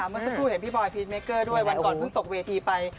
เมื่อสักครู่เห็นพี่บอยพีชเมเกอร์ด้วยวันก่อนเพิ่งตกเวทีไป